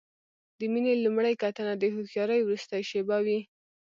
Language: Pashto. د مینې لومړۍ کتنه د هوښیارۍ وروستۍ شېبه وي.